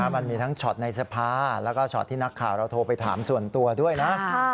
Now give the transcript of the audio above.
มันมีทั้งช็อตในสภาแล้วก็ช็อตที่นักข่าวเราโทรไปถามส่วนตัวด้วยนะ